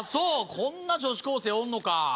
こんな女子高生おんのか。